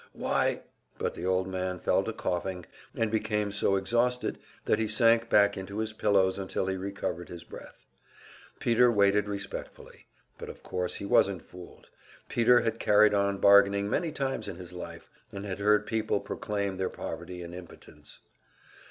Why " But the old man fell to coughing and became so exhausted that he sank back into his pillows until he recovered his breath. Peter waited respectfully; but of course he wasn't fooled. Peter had carried on bargaining many times in his life, and had heard people proclaim their poverty and impotence.